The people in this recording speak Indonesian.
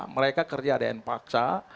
mereka kerja dan paksa